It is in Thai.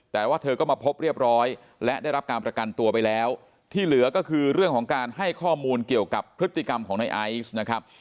แต่ว่าเธอก็มาพบเรียบร้อยและได้รับการประกันตัวไปแล้วที่เหลือก็คือเรื่องของการให้ข้อมูลเกี่ยวกับพฤติกรรมของในไอซ์นะครับ